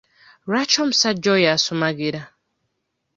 Lwaki omusajja oyo asumagira?